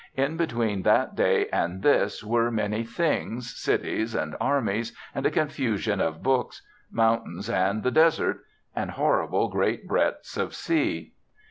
In between that day and this were many things, cities and armies, and a confusion of books, mountains and the desert, and horrible great breadths of sea.